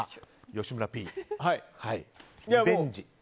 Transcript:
吉村Ｐ、「リベンジ」。